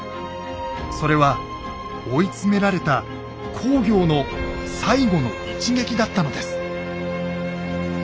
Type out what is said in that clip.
それは追い詰められた公暁の最後の一撃だったのです。